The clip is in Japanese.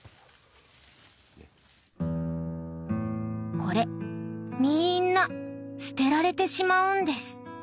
これみんな捨てられてしまうんです。